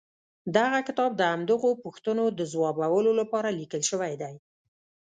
دغه کتاب د همدغو پوښتنو د ځوابولو لپاره ليکل شوی دی.